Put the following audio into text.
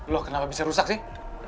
loh kenapa bisa rusak sih